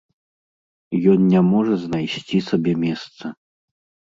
Ён не можа знайсцi сабе месца...